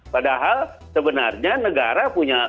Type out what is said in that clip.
padahal sebenarnya negara